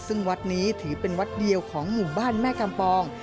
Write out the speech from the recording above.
ซึ่งวัดนี้ถือเป็นวัดเดียวของหมู่บ้านแม่กำปอง